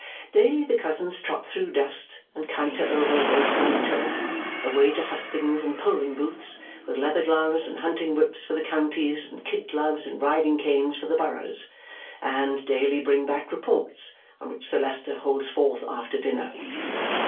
Daily the cousins trot through dust and canter over roadside turf, away to hustings and polling booths (with leather gloves and hunting whips for the counties and kid gloves and riding canes for the boroughs), and daily bring back reports on which Sir Leicester holds forth after dinner.